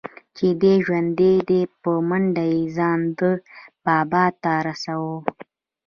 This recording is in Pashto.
چې دى ژوندى دى په منډه يې ځان ده بابا ته رسولى و.